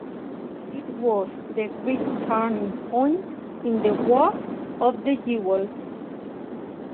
It was the great turning point in the War of the Jewels.